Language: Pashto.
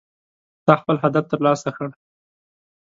تا خپل هدف ترلاسه کړ